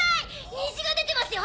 虹が出てますよ